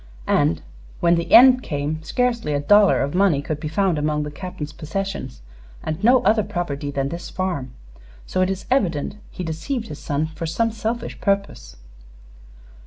And, when the end came, scarcely a dollar of money could be found among the Captain's possessions, and no other property than this farm; so it is evident he deceived his son for some selfish purpose.